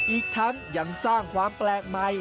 อีกทั้งยังสร้างความแปลกใหม่